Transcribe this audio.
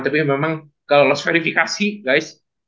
tapi memang kalo lost verifikasi guys